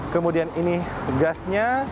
kemudian ini gasnya